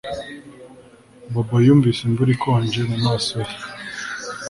Bobo yumvise imvura ikonje mumaso ye